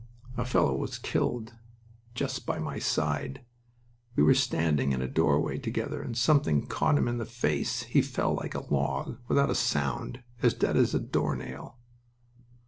"A fellow was killed just by my side." he said. "We were standing in a doorway together and something caught him in the face. He fell like a log, without a sound, as dead as a door nail."